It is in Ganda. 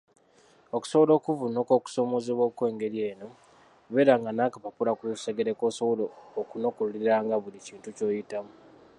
Okusobola okuvvuunuka okusoomoozebwa okw’engeri eno, beeranga n’akapapula ku lusegere kw’osobola okunokoleranga buli kintu ky’oyitamu.